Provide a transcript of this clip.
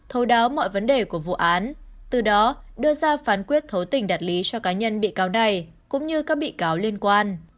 thấu đáo mọi vấn đề của vụ án từ đó đưa ra phán quyết thố tình đạt lý cho cá nhân bị cáo này cũng như các bị cáo liên quan